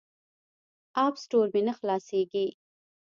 اپ سټور مې نه خلاصیږي.